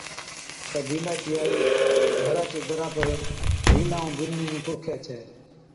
تہ بِينڏا چِي آئِي گھرا چي درا پر بِينڏا ائُون بِينڏڙِي نُون پُرکي ڇَي،